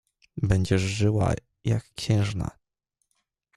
"Będziesz żyła, jak księżna“."